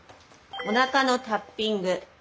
お腹のタッピング。